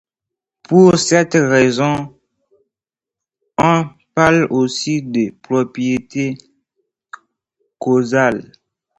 Pour cette raison, on parle aussi de propriétés causales.